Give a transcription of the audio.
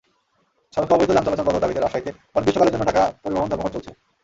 সড়কে অবৈধ যান চলাচল বন্ধের দাবিতে রাজশাহীতে অনির্দিষ্টকালের জন্য ডাকা পরিবহন ধর্মঘট চলছে।